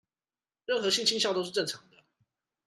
任何性傾向都是正常的